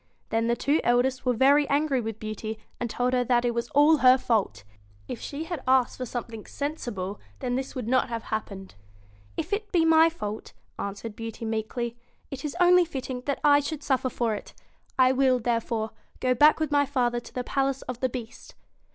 Then the two eldest were very angry with Beauty, and told her that it was all her fault If she had asked for something sensible this would not have happened. 'If it be my fault,' answered Beauty meekly, 'it is only fitting that I should suffer for it. I will, there fore, go back with my father to the palace of the Beast.'